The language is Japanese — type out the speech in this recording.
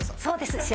そうです